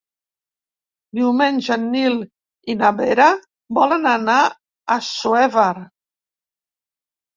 Diumenge en Nil i na Vera volen anar a Assuévar.